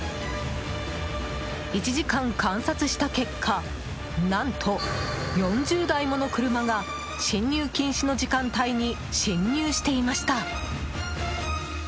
１時間観察した結果何と４０台もの車が進入禁止の時間帯に進入していました。